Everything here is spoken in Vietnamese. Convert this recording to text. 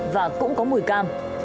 và cũng có mùi cam